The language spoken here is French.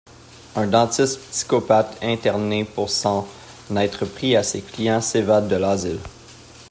Un dentiste psychopathe interné pour s'en être pris à ses clients s'évade de l'asile.